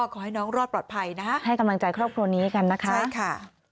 ขอบคุณค่ะ